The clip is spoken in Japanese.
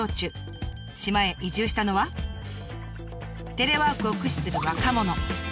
島へ移住したのはテレワークを駆使する若者。